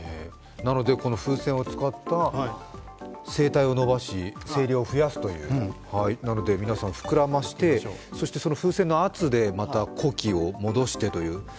・なのでこの風船を使った声帯を伸ばし声量を増やすという、なので皆さん膨らませてそしてその風船の圧でまた呼気を戻してという。